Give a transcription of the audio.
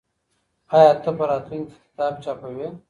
آیا ته په راتلونکي کي کتاب چاپوې؟